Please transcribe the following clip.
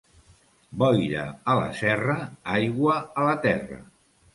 Boira a la serra, aigua a la terra.